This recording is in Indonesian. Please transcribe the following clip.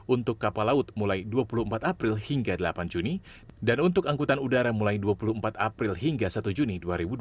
untuk kapal laut mulai dua puluh empat april hingga delapan juni dan untuk angkutan udara mulai dua puluh empat april hingga satu juni dua ribu dua puluh